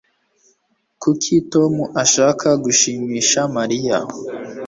Kuki Tom ashaka gushimisha Mariya